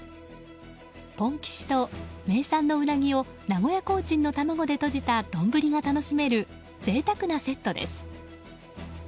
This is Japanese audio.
ぽんきしと名産のウナギを名古屋コーチンの卵でとじた丼が楽しめる贅沢なセットです。